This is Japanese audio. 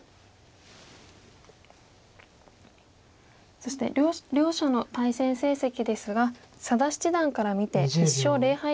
そして両者の対戦成績ですが佐田七段から見て１勝０敗となっております。